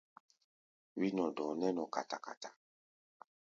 Wí-nɔ-dɔ̧ɔ̧ nɛ́ nɔ kata-kata.